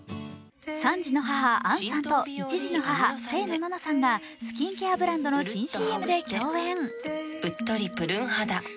３児の母・杏さんと１児の母・清野菜名さんがスキンケアブランドの新ＣＭで共演。